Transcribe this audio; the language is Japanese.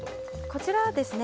こちらはですね